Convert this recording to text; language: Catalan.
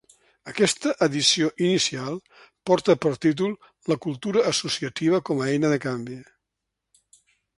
Aquesta edició inicial porta per títol La cultura associativa com a eina de canvi.